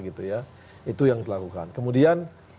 gitu ya itu yang dilakukan kemudian